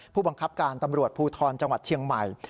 ผู้บังคับการตำรวจภูทรจังหวัดเชียงใหม่